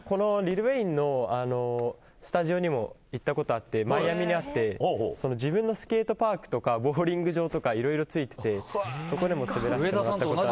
リル・ウェインのスタジオにも行ったことがあってマイアミにあって自分のスケートパークとかボウリング場とかいろいろついていてそこでも滑らせてもらえたりとか。